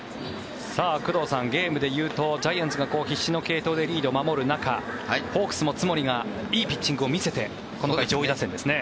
工藤さん、ゲームでいうとジャイアンツが必死の継投でリードを守る中ホークスも津森がいいピッチングを見せてこの回、上位打線ですね。